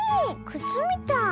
くつみたい。